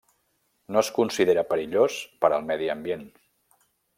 No es considera perillós per al medi ambient.